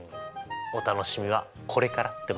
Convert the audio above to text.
お楽しみはこれからってことですね。